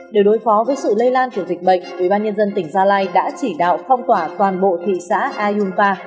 để đối phó với sự lây lan của dịch bệnh ubnd tỉnh gia lai đã chỉ đạo phong tỏa toàn bộ thị xã ayunpa